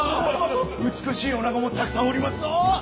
美しいおなごもたくさんおりますぞ！